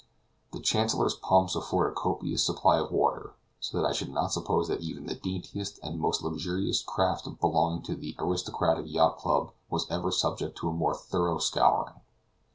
The Chancellor's pumps afford a copious supply of water, so that I should not suppose that even the daintiest and most luxurious craft belonging to an aristocratic yacht club was ever subject to a more thorough scouring.